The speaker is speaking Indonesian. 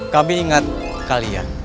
kami ingat kalian